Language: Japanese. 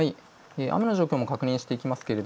雨の状況も確認していきます。